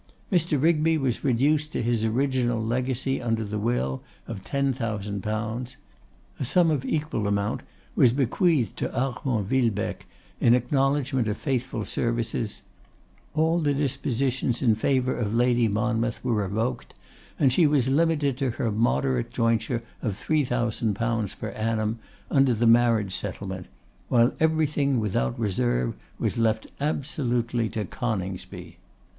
Mr. Rigby was reduced to his original legacy under the will of 10,000_l._; a sum of equal amount was bequeathed to Armand Villebecque, in acknowledgment of faithful services; all the dispositions in favour of Lady Monmouth were revoked, and she was limited to her moderate jointure of 3,000_l._ per annum, under the marriage settlement; while everything, without reserve, was left absolutely to Coningsby.